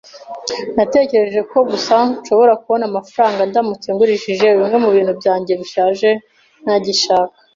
Natekereje gusa ko nshobora kubona amafaranga ndamutse ngurishije bimwe mubintu byanjye bishaje ntagishaka